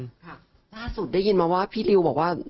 ค่ะล่าสุดได้ยินมาว่าพี่ติวบอกว่า